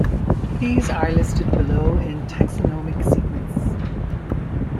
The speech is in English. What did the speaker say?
These are listed below in taxonomic sequence.